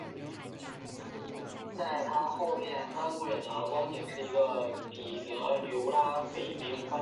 目前使用的主要有顶部承载式和底部承载式两种。